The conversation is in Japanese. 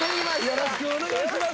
よろしくお願いします。